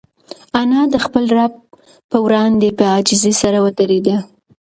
انا د خپل رب په وړاندې په عاجزۍ سره ودرېده.